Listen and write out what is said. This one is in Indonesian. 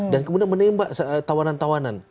dan kemudian menembak tawanan tawanan